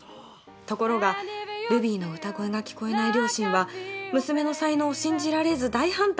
ところがルビーの歌声が聞こえない両親は娘の才能を信じられず大反対。